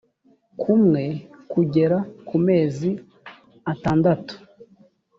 kumwe kugera ku mezi atandatu